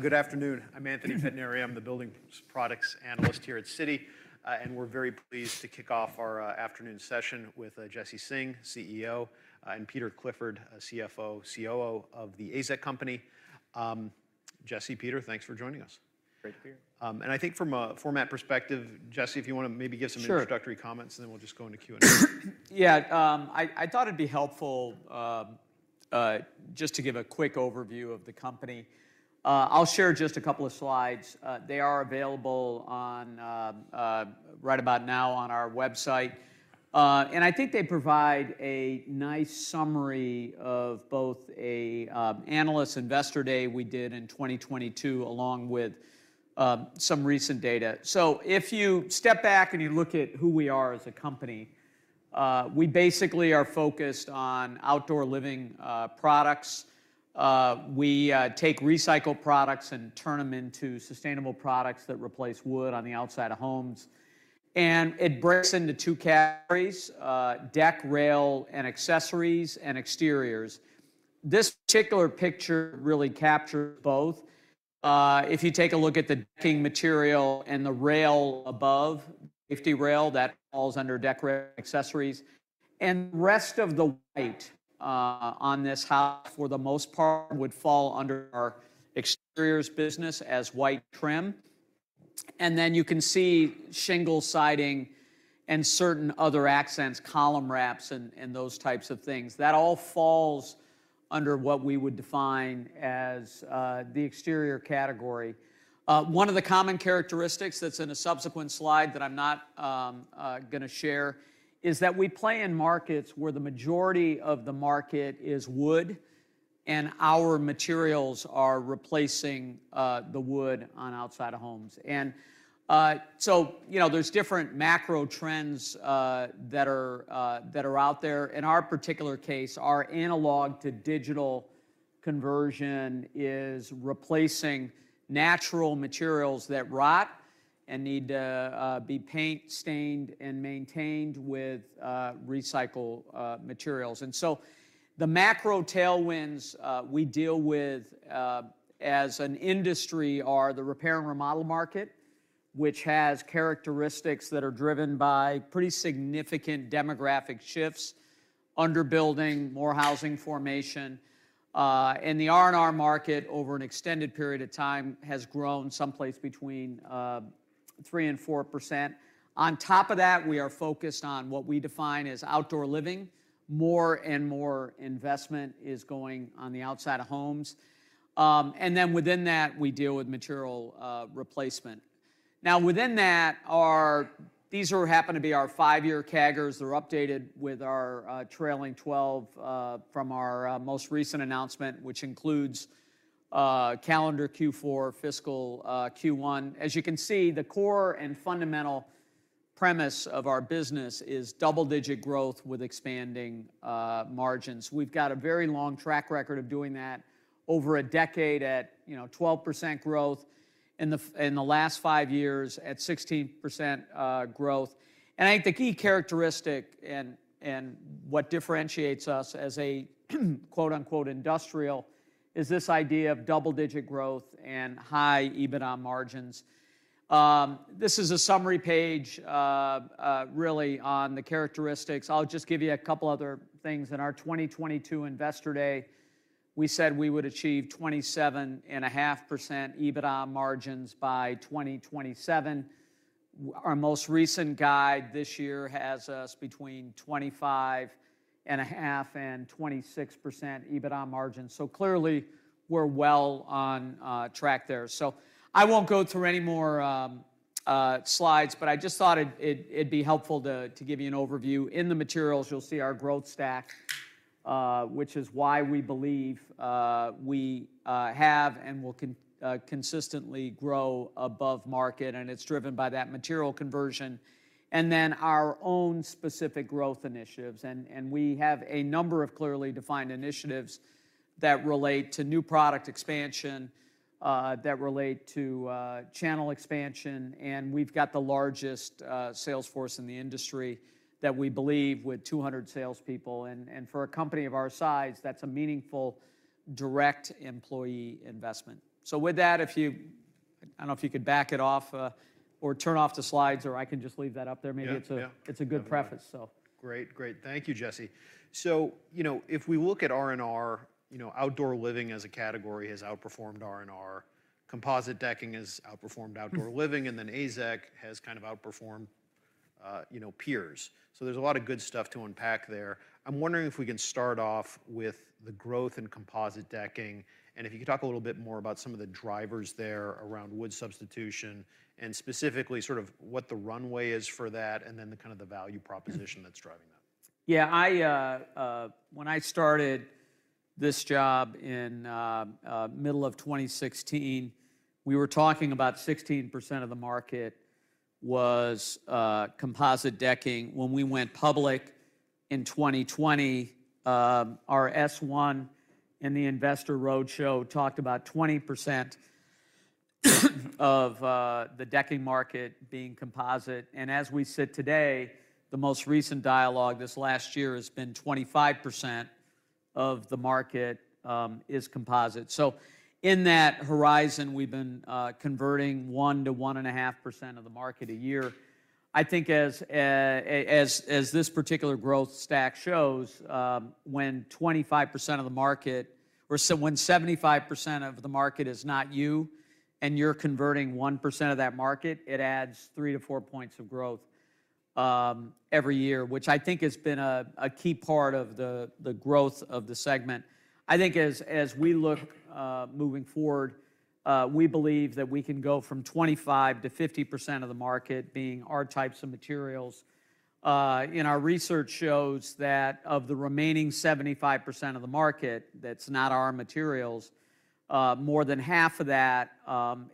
Good afternoon. I'm Anthony Pettinari. I'm the Building Products Analyst here at Citi, and we're very pleased to kick off our afternoon session with Jesse Singh, CEO, and Peter Clifford, CFO/COO of The AZEK Company. Jesse, Peter, thanks for joining us. Great to be here. I think from a format perspective, Jesse, if you want to maybe give some introductory comments, and then we'll just go into Q&A. Yeah. I thought it'd be helpful just to give a quick overview of the company. I'll share just a couple of slides. They are available right about now on our website. And I think they provide a nice summary of both an Analyst Investor Day we did in 2022 along with some recent data. So if you step back and you look at who we are as a company, we basically are focused on outdoor living products. We take recycled products and turn them into sustainable products that replace wood on the outside of homes. And it breaks into two categories: deck, rail, and accessories and exteriors. This particular picture really captures both. If you take a look at the decking material and the rail above, the safety rail that falls under deck rail and accessories, and the rest of the white on this house, for the most part, would fall under our exteriors business as white trim. And then you can see shingle siding and certain other accents, column wraps, and those types of things. That all falls under what we would define as the exterior category. One of the common characteristics that's in a subsequent slide that I'm not going to share is that we play in markets where the majority of the market is wood, and our materials are replacing the wood on outside of homes. And so there's different macro trends that are out there. In our particular case, our analog to digital conversion is replacing natural materials that rot and need to be paint-stained and maintained with recycled materials. And so the macro tailwinds we deal with as an industry are the repair and remodel market, which has characteristics that are driven by pretty significant demographic shifts, underbuilding, more housing formation. And the R&R market, over an extended period of time, has grown someplace between 3% and 4%. On top of that, we are focused on what we define as outdoor living. More and more investment is going on the outside of homes. And then within that, we deal with material replacement. Now within that, these happen to be our five-year CAGRs. They're updated with our trailing 12 from our most recent announcement, which includes calendar Q4, fiscal Q1. As you can see, the core and fundamental premise of our business is double-digit growth with expanding margins. We've got a very long track record of doing that over a decade at 12% growth. In the last five years, at 16% growth. And I think the key characteristic and what differentiates us as a "industrial" is this idea of double-digit growth and high EBITDA margins. This is a summary page, really, on the characteristics. I'll just give you a couple other things. In our 2022 Investor Day, we said we would achieve 27.5% EBITDA margins by 2027. Our most recent guide this year has us between 25.5% and 26% EBITDA margins. So clearly, we're well on track there. So I won't go through any more slides, but I just thought it'd be helpful to give you an overview. In the materials, you'll see our growth stack, which is why we believe we have and will consistently grow above market. It's driven by that material conversion. Then our own specific growth initiatives. We have a number of clearly defined initiatives that relate to new product expansion, that relate to channel expansion. We've got the largest sales force in the industry that we believe with 200 salespeople. For a company of our size, that's a meaningful direct employee investment. So with that, if you—I don't know—if you could back it off or turn off the slides, or I can just leave that up there. Maybe it's a good preface, so. Great. Great. Thank you, Jesse. So if we look at R&R, outdoor living as a category has outperformed R&R. Composite decking has outperformed outdoor living. And then AZEK has kind of outperformed peers. So there's a lot of good stuff to unpack there. I'm wondering if we can start off with the growth in composite decking and if you could talk a little bit more about some of the drivers there around wood substitution and specifically sort of what the runway is for that and then the kind of the value proposition that's driving that. Yeah. When I started this job in the middle of 2016, we were talking about 16% of the market was composite decking. When we went public in 2020, our S-1 in the Investor Roadshow talked about 20% of the decking market being composite. And as we sit today, the most recent dialogue this last year has been 25% of the market is composite. So in that horizon, we've been converting 1%-1.5% of the market a year. I think as this particular growth stack shows, when 25% of the market or when 75% of the market is not you and you're converting 1% of that market, it adds 3%-4% of growth every year, which I think has been a key part of the growth of the segment. I think as we look moving forward, we believe that we can go from 25%-50% of the market being our types of materials. Our research shows that of the remaining 75% of the market that's not our materials, more than half of that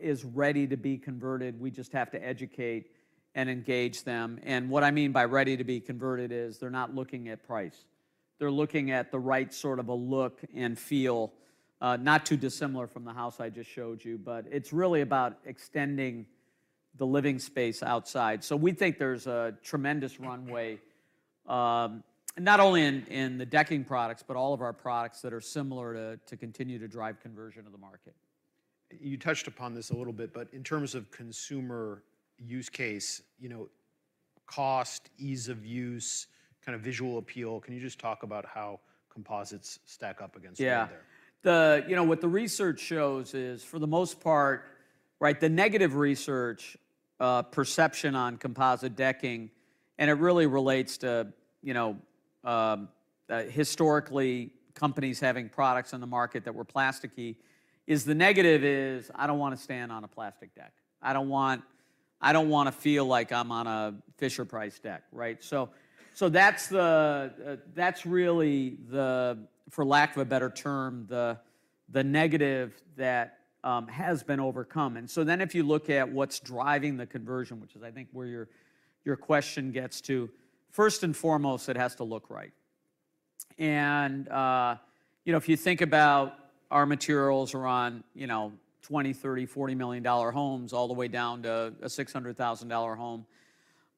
is ready to be converted. We just have to educate and engage them. What I mean by ready to be converted is they're not looking at price. They're looking at the right sort of a look and feel, not too dissimilar from the house I just showed you, but it's really about extending the living space outside. We think there's a tremendous runway, not only in the decking products, but all of our products that are similar to continue to drive conversion of the market. You touched upon this a little bit, but in terms of consumer use case, cost, ease of use, kind of visual appeal, can you just talk about how composites stack up against one another? Yeah. What the research shows is, for the most part, the negative research perception on composite decking, and it really relates to historically companies having products on the market that were plasticky, is the negative is, I don't want to stand on a plastic deck. I don't want to feel like I'm on a Fisher-Price deck. So that's really, for lack of a better term, the negative that has been overcome. And so then if you look at what's driving the conversion, which is I think where your question gets to, first and foremost, it has to look right. And if you think about our materials are on $20 million, $30 million, $40 million homes all the way down to a $600,000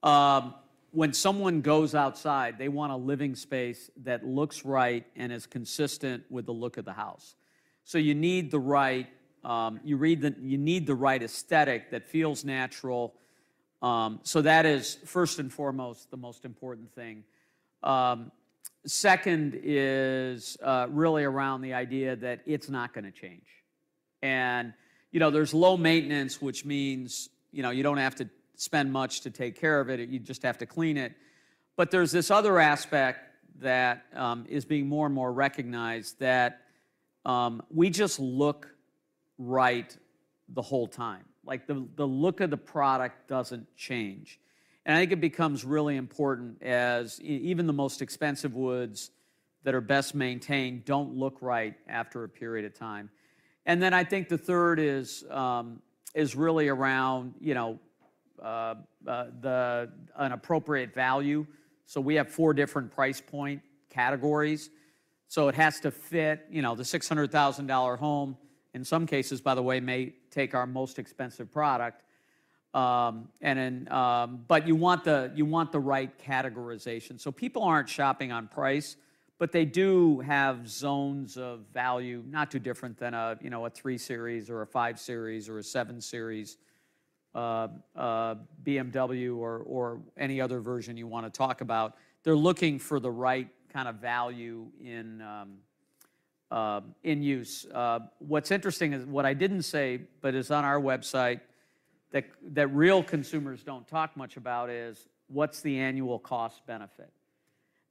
home. When someone goes outside, they want a living space that looks right and is consistent with the look of the house. So you need the right aesthetic that feels natural. So that is, first and foremost, the most important thing. Second is really around the idea that it's not going to change. And there's low maintenance, which means you don't have to spend much to take care of it. You just have to clean it. But there's this other aspect that is being more and more recognized that we just look right the whole time. The look of the product doesn't change. And I think it becomes really important as even the most expensive woods that are best maintained don't look right after a period of time. And then I think the third is really around an appropriate value. So we have four different price point categories. So it has to fit the $600,000 home, in some cases, by the way, may take our most expensive product. But you want the right categorization. So people aren't shopping on price, but they do have zones of value not too different than a three Series or a five Series or a seven Series BMW or any other version you want to talk about. They're looking for the right kind of value in use. What's interesting is what I didn't say but is on our website that real consumers don't talk much about is what's the annual cost benefit?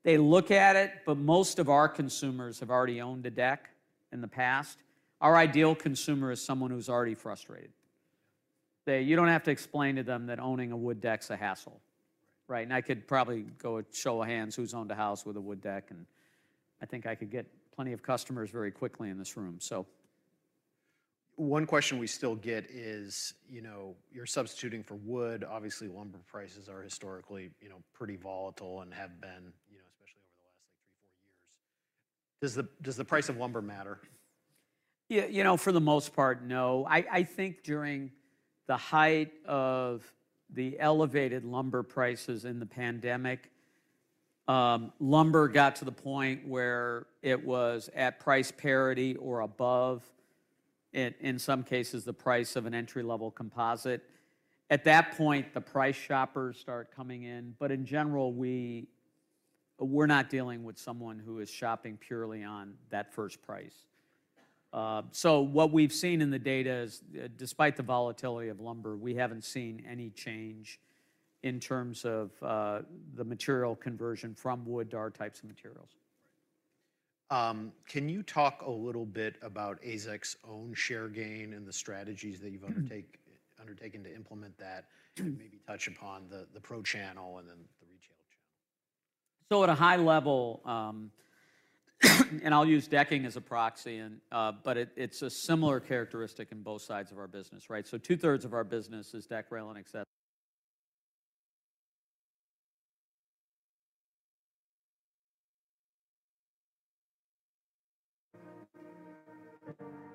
They look at it, but most of our consumers have already owned a deck in the past. Our ideal consumer is someone who's already frustrated. You don't have to explain to them that owning a wood deck's a hassle. And I could probably go show of hands who's owned a house with a wood deck. And I think I could get plenty of customers very quickly in this room. One question we still get is you're substituting for wood. Obviously, lumber prices are historically pretty volatile and have been, especially over the last three or four years. Does the price of lumber matter? For the most part, no. I think during the height of the elevated lumber prices in the pandemic, lumber got to the point where it was at price parity or above, in some cases, the price of an entry-level composite. At that point, the price shoppers start coming in. But in general, we're not dealing with someone who is shopping purely on that first price. So what we've seen in the data is, despite the volatility of lumber, we haven't seen any change in terms of the material conversion from wood to our types of materials. Can you talk a little bit about AZEK's own share gain and the strategies that you've undertaken to implement that and maybe touch upon the pro channel and then the retail channel? So at a high level, and I'll use decking as a proxy, but it's a similar characteristic in both sides of our business. So two-thirds of our business is deck, rail, and accessories.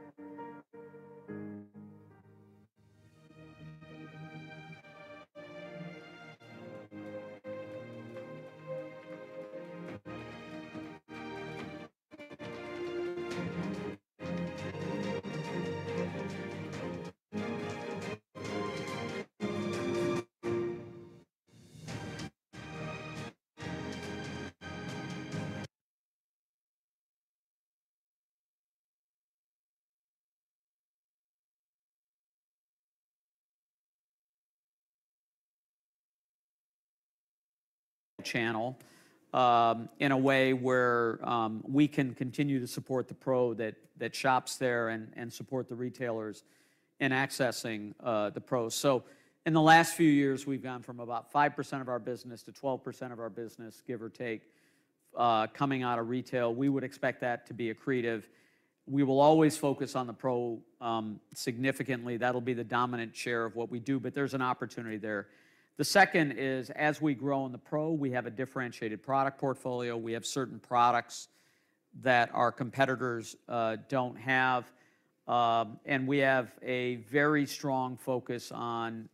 Channel in a way where we can continue to support the pro that shops there and support the retailers in accessing the pros. So in the last few years, we've gone from about 5% of our business to 12% of our business, give or take, coming out of retail. We would expect that to be accretive. We will always focus on the pro significantly. That'll be the dominant share of what we do. But there's an opportunity there. The second is, as we grow in the pro, we have a differentiated product portfolio. We have certain products that our competitors don't have. And we have a very strong focus on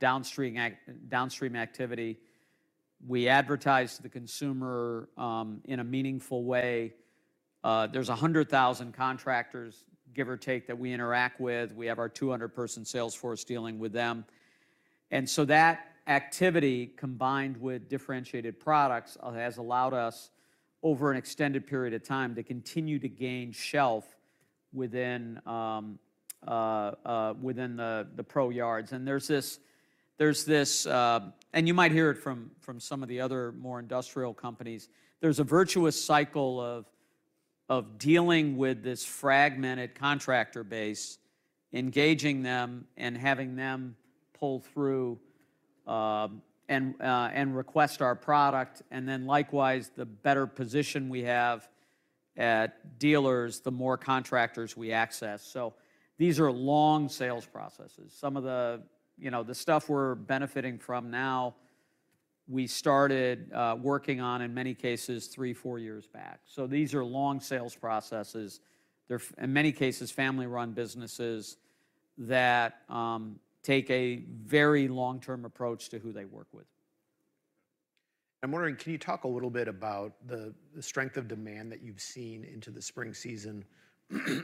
downstream activity. We advertise to the consumer in a meaningful way. There's 100,000 contractors, give or take, that we interact with. We have our 200-person sales force dealing with them. And so that activity, combined with differentiated products, has allowed us, over an extended period of time, to continue to gain shelf within the pro yards. And there's this and you might hear it from some of the other more industrial companies. There's a virtuous cycle of dealing with this fragmented contractor base, engaging them, and having them pull through and request our product. And then likewise, the better position we have at dealers, the more contractors we access. So these are long sales processes. Some of the stuff we're benefiting from now, we started working on, in many cases, three to four years back. So these are long sales processes. They're, in many cases, family-run businesses that take a very long-term approach to who they work with. I'm wondering, can you talk a little bit about the strength of demand that you've seen into the spring season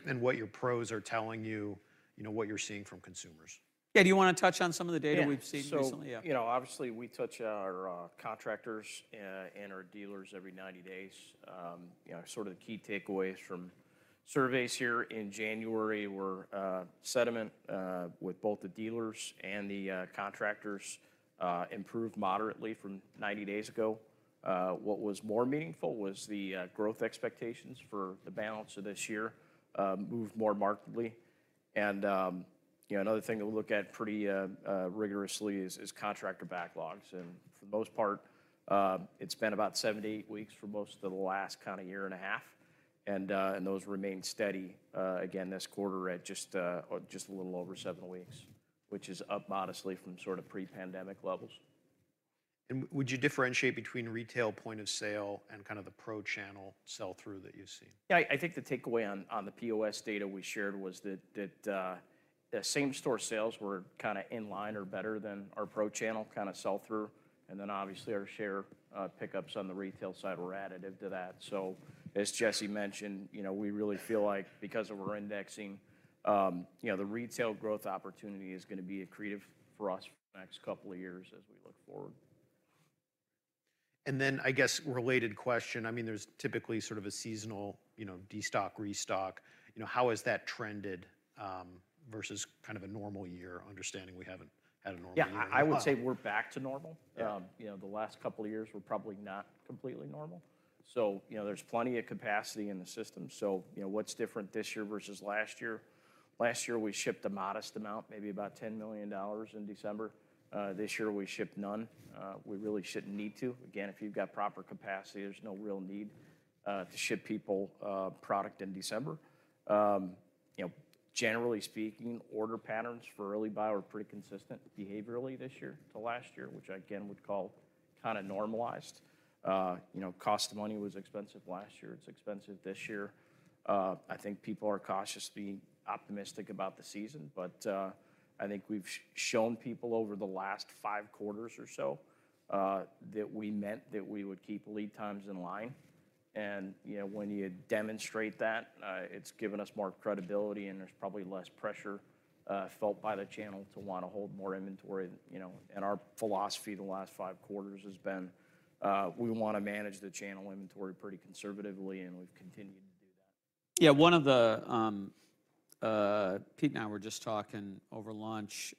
and what your pros are telling you, what you're seeing from consumers? Yeah. Do you want to touch on some of the data we've seen recently? Yeah. So obviously, we touch our contractors and our dealers every 90 days. Sort of the key takeaways from surveys here in January were sentiment with both the dealers and the contractors improved moderately from 90 days ago. What was more meaningful was the growth expectations for the balance of this year moved more markedly. Another thing that we look at pretty rigorously is contractor backlogs. For the most part, it's been about seven to eight weeks for most of the last kind of year and a half. Those remain steady, again, this quarter at just a little over seven weeks, which is up modestly from sort of pre-pandemic levels. Would you differentiate between retail point of sale and kind of the pro channel sell-through that you've seen? Yeah. I think the takeaway on the POS data we shared was that same-store sales were kind of in line or better than our pro channel kind of sell-through. And then obviously, our share pickups on the retail side were additive to that. So as Jesse mentioned, we really feel like, because of our indexing, the retail growth opportunity is going to be accretive for us for the next couple of years as we look forward. And then I guess related question. I mean, there's typically sort of a seasonal destock, restock. How has that trended versus kind of a normal year, understanding we haven't had a normal year? Yeah. I would say we're back to normal. The last couple of years, we're probably not completely normal. So there's plenty of capacity in the system. So what's different this year versus last year? Last year, we shipped a modest amount, maybe about $10 million in December. This year, we shipped none. We really shouldn't need to. Again, if you've got proper capacity, there's no real need to ship people product in December. Generally speaking, order patterns for early buy were pretty consistent behaviorally this year to last year, which I again would call kind of normalized. Cost of money was expensive last year. It's expensive this year. I think people are cautiously optimistic about the season. But I think we've shown people over the last five quarters or so that we meant that we would keep lead times in line. When you demonstrate that, it's given us more credibility, and there's probably less pressure felt by the channel to want to hold more inventory. Our philosophy the last five quarters has been, we want to manage the channel inventory pretty conservatively, and we've continued to do that. Yeah. Pete and I were just talking over lunch.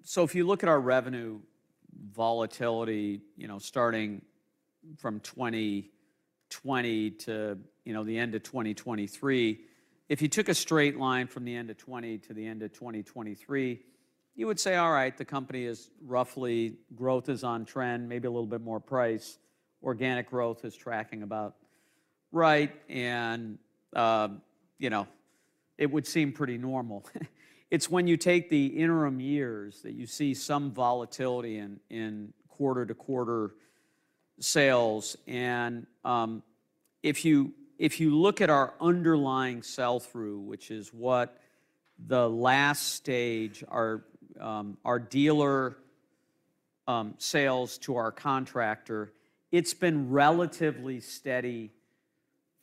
So if you look at our revenue volatility starting from 2020 to the end of 2023, if you took a straight line from the end of 2020 to the end of 2023, you would say, all right, the company is roughly growth is on trend, maybe a little bit more price. Organic growth is tracking about right. And it would seem pretty normal. It's when you take the interim years that you see some volatility in quarter-to-quarter sales. And if you look at our underlying sell-through, which is what the last stage are our dealer sales to our contractor, it's been relatively steady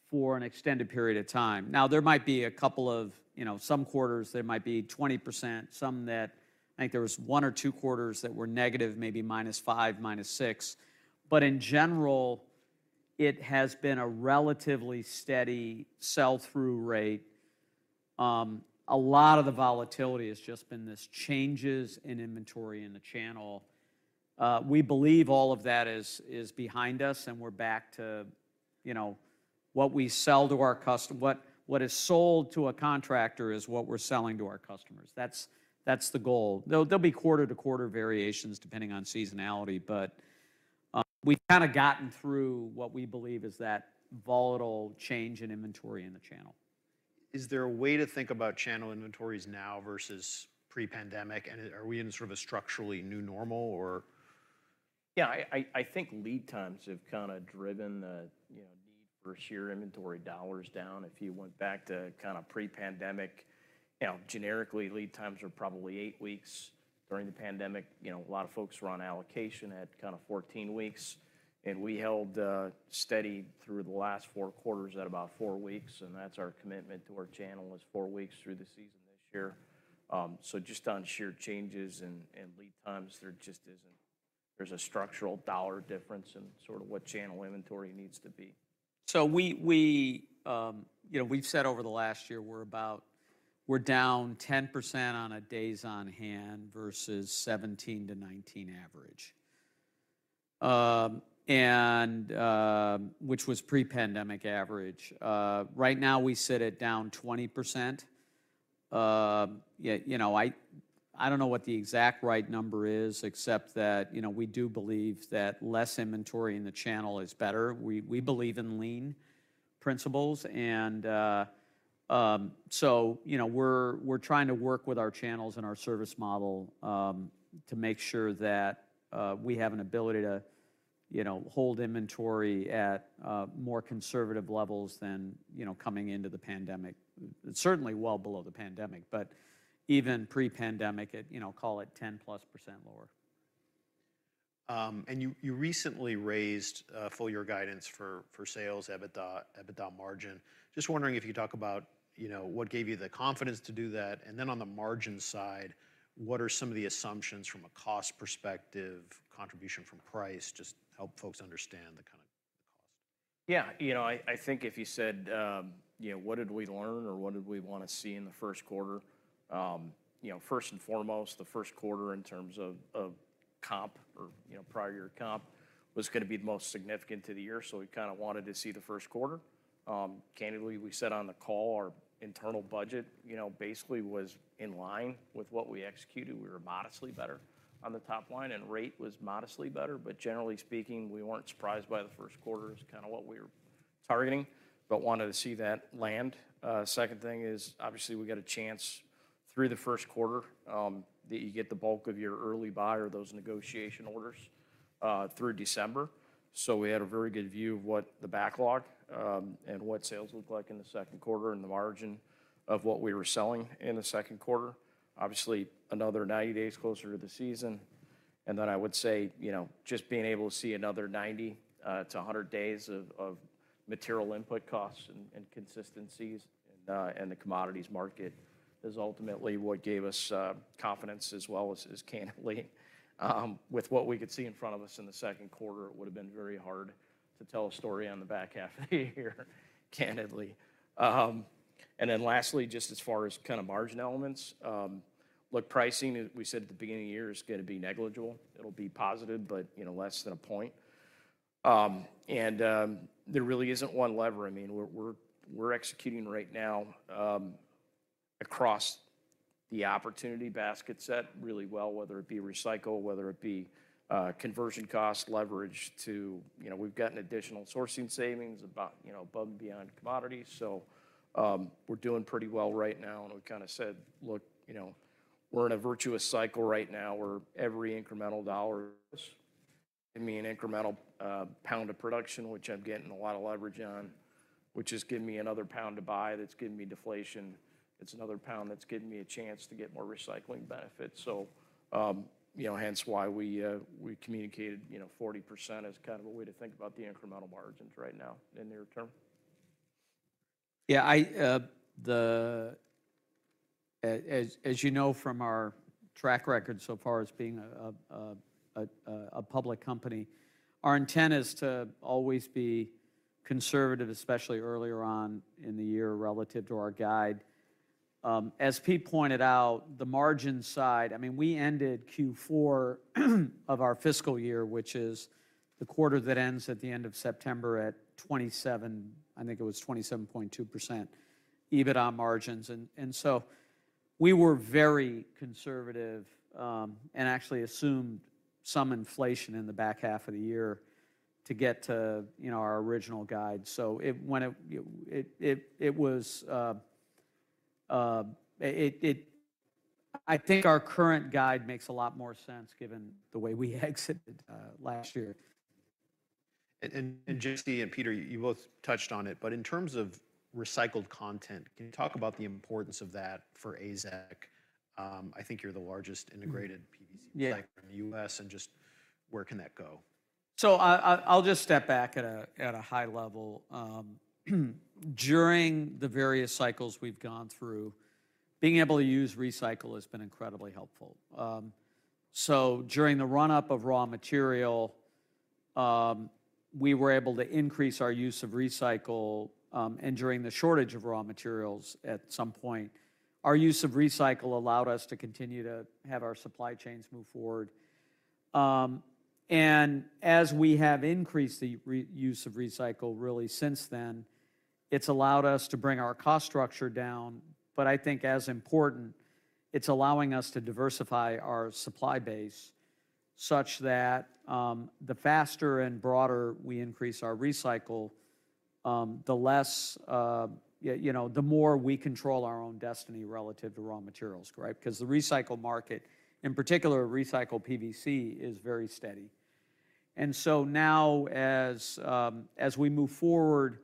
for an extended period of time. Now, there might be a couple of some quarters, there might be 20%, some that I think there was one or two quarters that were negative, maybe -5%, -6%. But in general, it has been a relatively steady sell-through rate. A lot of the volatility has just been these changes in inventory in the channel. We believe all of that is behind us, and we're back to what we sell to our customers. What is sold to a contractor is what we're selling to our customers. That's the goal. There'll be quarter-to-quarter variations depending on seasonality. But we've kind of gotten through what we believe is that volatile change in inventory in the channel. Is there a way to think about channel inventories now versus pre-pandemic? And are we in sort of a structurally new normal or? Yeah. I think lead times have kind of driven the need for sheer inventory dollars down. If you went back to kind of pre-pandemic, generically, lead times were probably eight weeks. During the pandemic, a lot of folks were on allocation at kind of 14 weeks. And we held steady through the last four quarters at about four weeks. And that's our commitment to our channel is eight weeks through the season this year. So just on sheer changes and lead times, there just isn't. There's a structural dollar difference in sort of what channel inventory needs to be. So we've said over the last year, we're down 10% on a days-on-hand versus 17-19 average, which was pre-pandemic average. Right now, we sit at down 20%. I don't know what the exact right number is, except that we do believe that less inventory in the channel is better. We believe in lean principles. And so we're trying to work with our channels and our service model to make sure that we have an ability to hold inventory at more conservative levels than coming into the pandemic, certainly well below the pandemic, but even pre-pandemic, call it 10%+ lower. And you recently raised full-year guidance for sales, EBITDA, margin. Just wondering if you talk about what gave you the confidence to do that. And then on the margin side, what are some of the assumptions from a cost perspective, contribution from price, just help folks understand the kind of cost? Yeah. I think if you said, "What did we learn or what did we want to see in the first quarter?" First and foremost, the first quarter in terms of comp or prior year comp was going to be the most significant to the year. So we kind of wanted to see the first quarter. Candidly, we said on the call, our internal budget basically was in line with what we executed. We were modestly better on the top line, and rate was modestly better. But generally speaking, we weren't surprised by the first quarter. It's kind of what we were targeting, but wanted to see that land. Second thing is, obviously, we got a chance through the first quarter that you get the bulk of your early buy or those negotiation orders through December. So we had a very good view of what the backlog and what sales look like in the second quarter and the margin of what we were selling in the second quarter. Obviously, another 90 days closer to the season. And then I would say just being able to see another 90-100 days of material input costs and consistencies in the commodities market is ultimately what gave us confidence as well as candidly. With what we could see in front of us in the second quarter, it would have been very hard to tell a story on the back half of the year, candidly. And then lastly, just as far as kind of margin elements, look, pricing, we said at the beginning of the year is going to be negligible. It'll be positive, but less than a point. And there really isn't one lever. I mean, we're executing right now across the opportunity basket set really well, whether it be recycle, whether it be conversion cost leverage too we've gotten additional sourcing savings above and beyond commodities. So we're doing pretty well right now. And we kind of said, look, we're in a virtuous cycle right now where every incremental dollar is giving me an incremental pound of production, which I'm getting a lot of leverage on, which is giving me another pound to buy. That's giving me deflation. It's another pound that's giving me a chance to get more recycling benefits. So hence why we communicated 40% as kind of a way to think about the incremental margins right now in the near term. Yeah. As you know from our track record so far as being a public company, our intent is to always be conservative, especially earlier on in the year relative to our guide. As Pete pointed out, the margin side, I mean, we ended Q4 of our fiscal year, which is the quarter that ends at the end of September at 27, I think it was 27.2% EBITDA margins. And so we were very conservative and actually assumed some inflation in the back half of the year to get to our original guide. So it was I think our current guide makes a lot more sense given the way we exited last year. And Jesse and Peter, you both touched on it. But in terms of recycled content, can you talk about the importance of that for AZEK? I think you're the largest integrated PVC recycler in the U.S. Just where can that go? So I'll just step back at a high level. During the various cycles we've gone through, being able to use recycle has been incredibly helpful. So during the run-up of raw material, we were able to increase our use of recycle. And during the shortage of raw materials at some point, our use of recycle allowed us to continue to have our supply chains move forward. And as we have increased the use of recycle really since then, it's allowed us to bring our cost structure down. But I think as important, it's allowing us to diversify our supply base such that the faster and broader we increase our recycle, the less the more we control our own destiny relative to raw materials, right? Because the recycle market, in particular recycle PVC, is very steady. And so now as we move forward,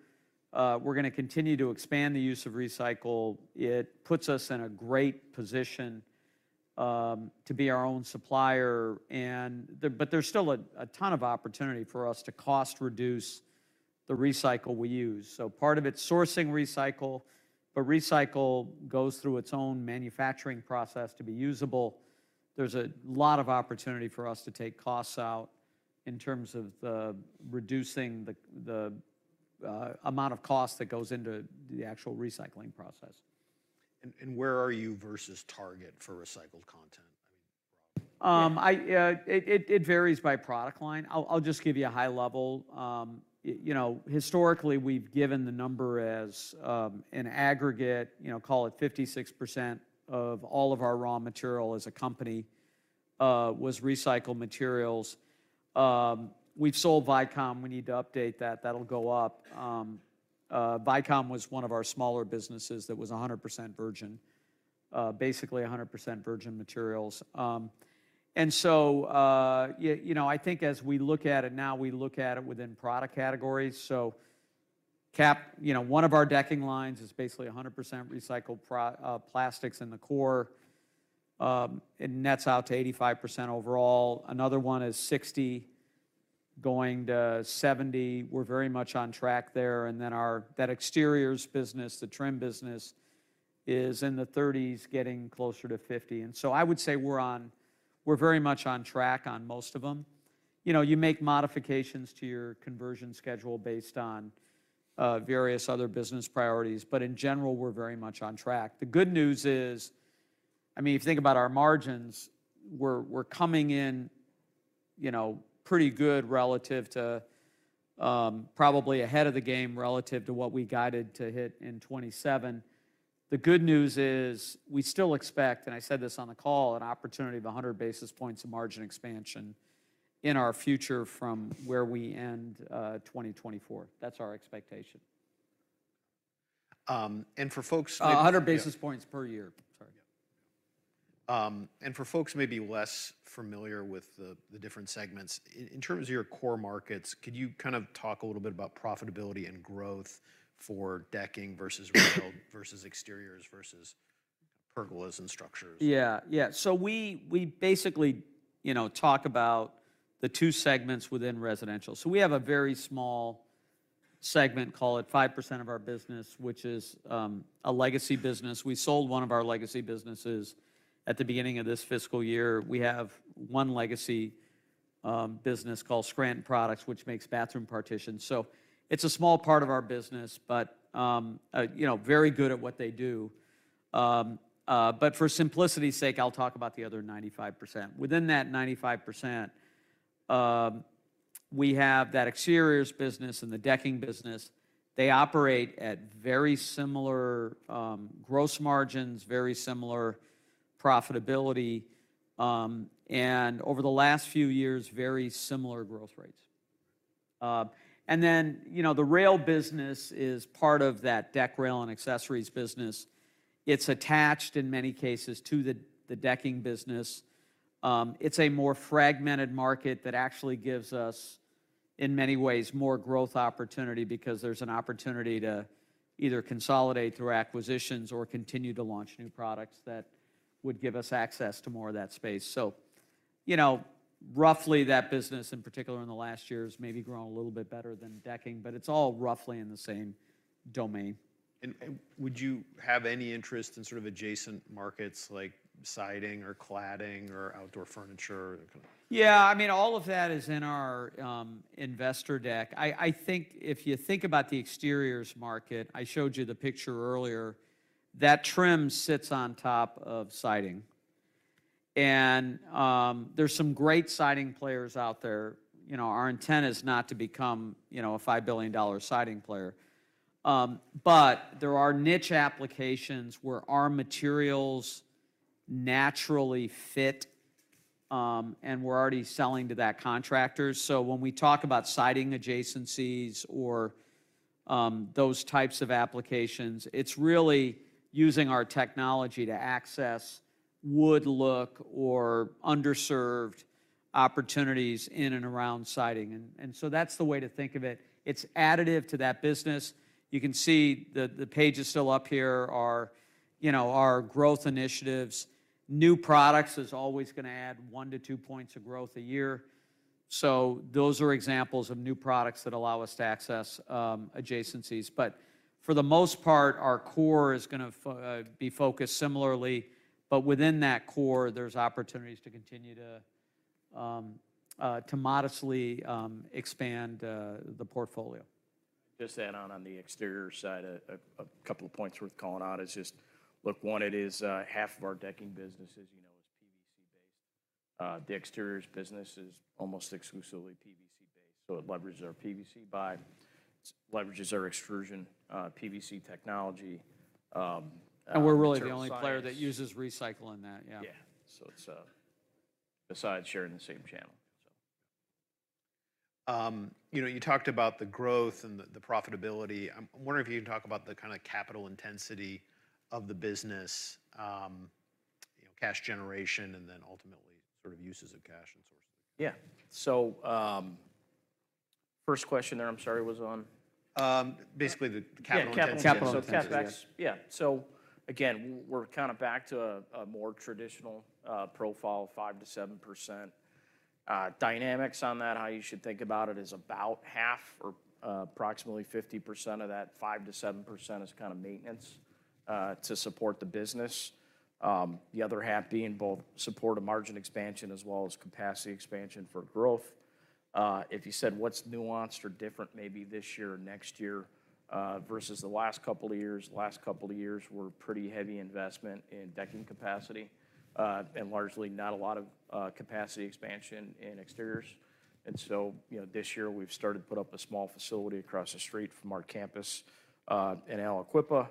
we're going to continue to expand the use of recycle. It puts us in a great position to be our own supplier. But there's still a ton of opportunity for us to cost reduce the recycle we use. So part of it's sourcing recycle, but recycle goes through its own manufacturing process to be usable. There's a lot of opportunity for us to take costs out in terms of reducing the amount of cost that goes into the actual recycling process. Where are you versus target for recycled content? I mean, broadly. It varies by product line. I'll just give you a high level. Historically, we've given the number as an aggregate, call it 56% of all of our raw material as a company was recycled materials. We've sold Vycom. We need to update that. That'll go up. Vycom was one of our smaller businesses that was 100% virgin, basically 100% virgin materials. And so I think as we look at it now, we look at it within product categories. So one of our decking lines is basically 100% recycled plastics in the core. And that's out to 85% overall. Another one is 60%-70%. We're very much on track there. And then that exteriors business, the trim business, is in the 30s% getting closer to 50%. And so I would say we're very much on track on most of them. You make modifications to your conversion schedule based on various other business priorities. But in general, we're very much on track. The good news is, I mean, if you think about our margins, we're coming in pretty good relative to probably ahead of the game relative to what we guided to hit in 2027. The good news is we still expect, and I said this on the call, an opportunity of 100 basis points of margin expansion in our future from where we end 2024. That's our expectation. For folks. 100 basis points per year. Sorry. For folks maybe less familiar with the different segments, in terms of your core markets, could you kind of talk a little bit about profitability and growth for decking versus R&R versus exteriors versus pergolas and StruXure? Yeah. Yeah. So we basically talk about the two segments within residential. So we have a very small segment, call it 5% of our business, which is a legacy business. We sold one of our legacy businesses at the beginning of this fiscal year. We have one legacy business called Scranton Products, which makes bathroom partitions. So it's a small part of our business, but very good at what they do. But for simplicity's sake, I'll talk about the other 95%. Within that 95%, we have that exteriors business and the decking business. They operate at very similar gross margins, very similar profitability, and over the last few years, very similar growth rates. And then the rail business is part of that deck rail and accessories business. It's attached in many cases to the decking business. It's a more fragmented market that actually gives us, in many ways, more growth opportunity because there's an opportunity to either consolidate through acquisitions or continue to launch new products that would give us access to more of that space. Roughly that business in particular in the last year has maybe grown a little bit better than decking, but it's all roughly in the same domain. Would you have any interest in sort of adjacent markets like siding or cladding or outdoor furniture? Yeah. I mean, all of that is in our investor deck. I think if you think about the exteriors market, I showed you the picture earlier. That trim sits on top of siding. And there's some great siding players out there. Our intent is not to become a $5 billion siding player. But there are niche applications where our materials naturally fit and we're already selling to that contractor. So when we talk about siding adjacencies or those types of applications, it's really using our technology to access wood look or underserved opportunities in and around siding. And so that's the way to think of it. It's additive to that business. You can see the page is still up here, our growth initiatives. New products is always going to add 1-2 points of growth a year. So those are examples of new products that allow us to access adjacencies. But for the most part, our core is going to be focused similarly. But within that core, there's opportunities to continue to modestly expand the portfolio. Just add on the exterior side, a couple of points worth calling out is just, look, one, it is half of our decking business PVC based. The exteriors business is almost exclusively PVC based. So it leverages our PVC buy. It leverages our extrusion PVC technology. We're really the only player that uses recycle in that. Yeah. Yeah. So it's besides sharing the same channel. You talked about the growth and the profitability. I'm wondering if you can talk about the kind of capital intensity of the business, cash generation, and then ultimately sort of uses of cash and sources of cash. Yeah. So first question there, I'm sorry, was on. Basically the capital intensity. Capital. Capital intensity. Yeah. So again, we're kind of back to a more traditional profile, 5%-7%. Dynamics on that, how you should think about it is about half or approximately 50% of that 5%-7% is kind of maintenance to support the business. The other half being both support of margin expansion as well as capacity expansion for growth. If you said what's nuanced or different maybe this year or next year versus the last couple of years, the last couple of years were pretty heavy investment in decking capacity and largely not a lot of capacity expansion in exteriors. And so this year we've started to put up a small facility across the street from our campus in Aliquippa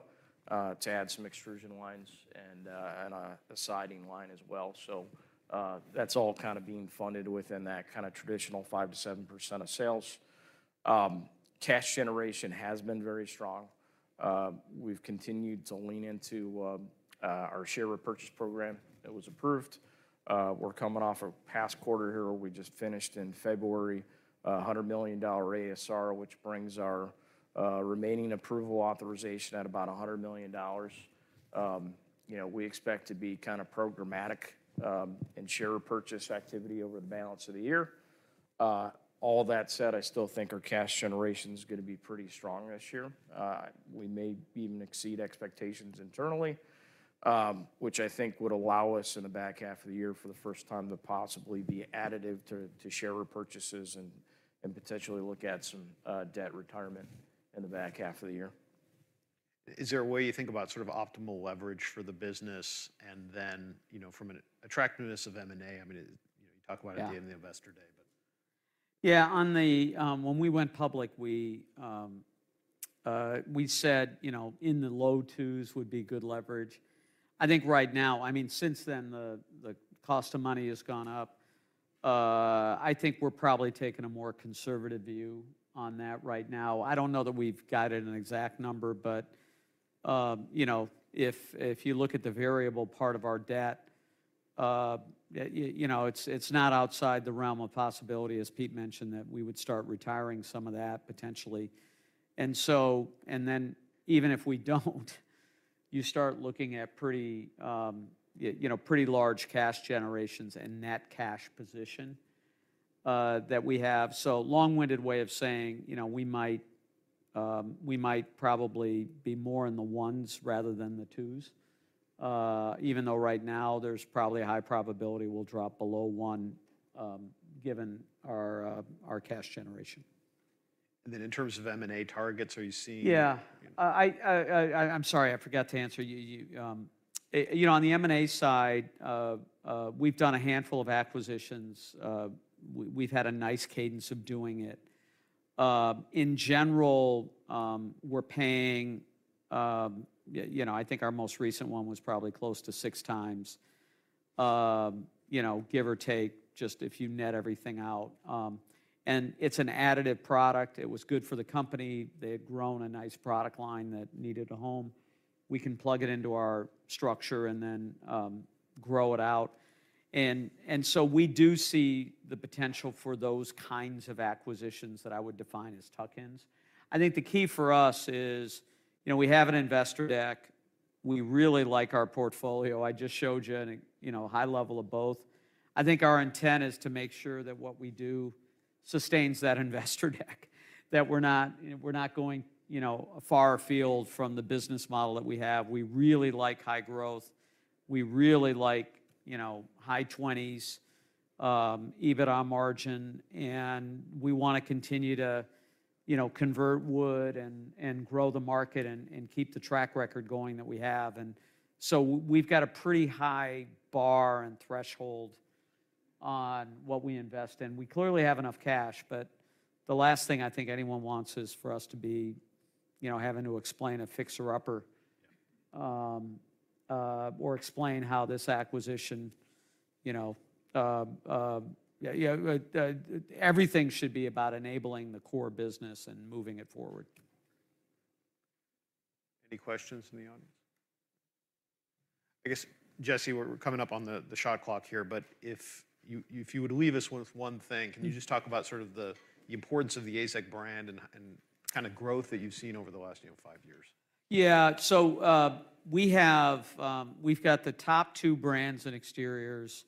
to add some extrusion lines and a siding line as well. So that's all kind of being funded within that kind of traditional 5%-7% of sales. Cash generation has been very strong. We've continued to lean into our share repurchase program that was approved. We're coming off of past quarter here. We just finished in February $100 million ASR, which brings our remaining approval authorization at about $100 million. We expect to be kind of programmatic in share repurchase activity over the balance of the year. All that said, I still think our cash generation is going to be pretty strong this year. We may even exceed expectations internally, which I think would allow us in the back half of the year for the first time to possibly be additive to share repurchases and potentially look at some debt retirement in the back half of the year. Is there a way you think about sort of optimal leverage for the business and then from an attractiveness of M&A? I mean, you talk about it at the end of the investor day, but. Yeah. When we went public, we said in the low 2s would be good leverage. I think right now, I mean, since then the cost of money has gone up. I think we're probably taking a more conservative view on that right now. I don't know that we've got an exact number, but if you look at the variable part of our debt, it's not outside the realm of possibility, as Pete mentioned, that we would start retiring some of that potentially. And then even if we don't, you start looking at pretty large cash generations and net cash position that we have. So long-winded way of saying we might probably be more in the 1s rather than the 2s, even though right now there's probably a high probability we'll drop below 1 given our cash generation. In terms of M&A targets, are you seeing? Yeah. I'm sorry. I forgot to answer. On the M&A side, we've done a handful of acquisitions. We've had a nice cadence of doing it. In general, we're paying, I think, our most recent one was probably close to 6x, give or take, just if you net everything out. And it's an additive product. It was good for the company. They had grown a nice product line that needed a home. We can plug it into our structure and then grow it out. And so we do see the potential for those kinds of acquisitions that I would define as tuck-ins. I think the key for us is we have an investor deck. We really like our portfolio. I just showed you a high level of both. I think our intent is to make sure that what we do sustains that investor deck, that we're not going far afield from the business model that we have. We really like high growth. We really like high 20s% EBITDA margin. And we want to continue to convert wood and grow the market and keep the track record going that we have. And so we've got a pretty high bar and threshold on what we invest in. We clearly have enough cash, but the last thing I think anyone wants is for us to be having to explain a fixer-upper or explain how this acquisition everything should be about enabling the core business and moving it forward. Any questions in the audience? I guess, Jesse, we're coming up on the shot clock here, but if you would leave us with one thing, can you just talk about sort of the importance of the AZEK brand and kind of growth that you've seen over the last five years? Yeah. So we've got the top two brands in exteriors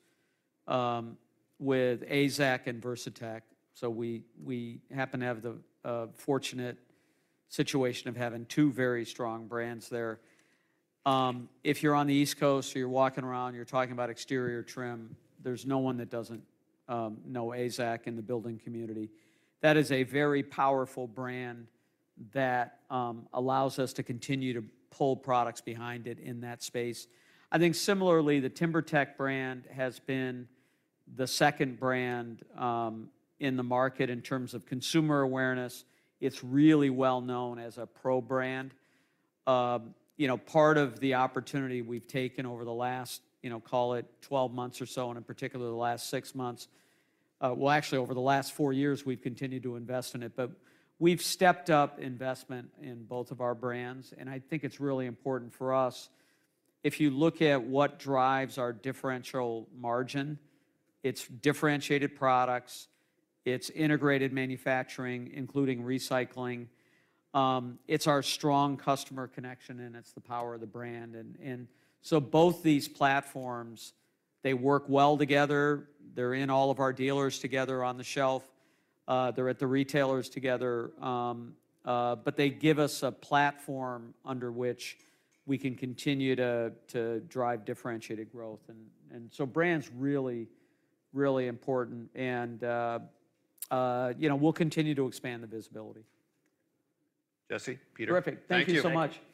with AZEK and Versatex. So we happen to have the fortunate situation of having two very strong brands there. If you're on the East Coast or you're walking around, you're talking about exterior trim, there's no one that doesn't know AZEK in the building community. That is a very powerful brand that allows us to continue to pull products behind it in that space. I think similarly, the TimberTech brand has been the second brand in the market in terms of consumer awareness. It's really well known as a pro brand. Part of the opportunity we've taken over the last, call it 12 months or so, and in particular the last six months, well, actually over the last four years, we've continued to invest in it, but we've stepped up investment in both of our brands. I think it's really important for us, if you look at what drives our differential margin, it's differentiated products, it's integrated manufacturing, including recycling. It's our strong customer connection, and it's the power of the brand. And so both these platforms, they work well together. They're in all of our dealers together on the shelf. They're at the retailers together. But they give us a platform under which we can continue to drive differentiated growth. And so brand's really, really important. And we'll continue to expand the visibility. Jesse, Peter. Terrific. Thank you so much. Thank you.